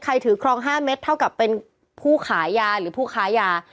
ถือครอง๕เม็ดเท่ากับเป็นผู้ขายยาหรือผู้ค้ายา